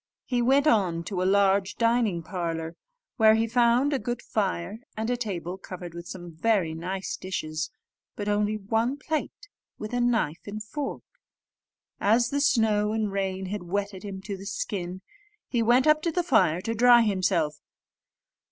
He went on to a large dining parlour, where he found a good fire, and a table covered with some very nice dishes, but only one plate with a knife and fork. As the snow and rain had wetted him to the skin, he went up to the fire to dry himself.